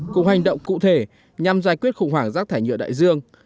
cùng hành động cụ thể nhằm giải quyết khủng hoảng rác thải nhựa đại dương